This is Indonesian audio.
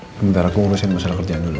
sebentar aku urusin masalah kerjaan dulu ya